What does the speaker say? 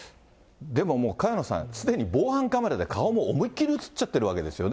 でももう萱野さん、すでに防犯カメラで顔も思いっきり写っちゃってるわけですよね。